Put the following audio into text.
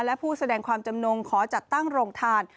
และผู้แสดงความจำนงขอจัดตั้งโรงทาน